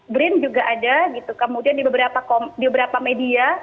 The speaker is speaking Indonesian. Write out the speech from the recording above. brin juga ada gitu kemudian di beberapa media